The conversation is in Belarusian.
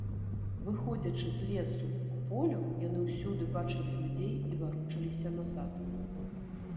Выходзячы з лесу к полю, яны ўсюды бачылі людзей і варочаліся назад.